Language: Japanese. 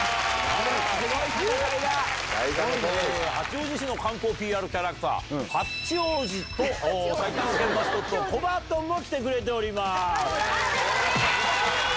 八王子市の観光ＰＲキャラクター、はっちおーじと、埼玉県マスコット、コバトンも来てくれておりまーす。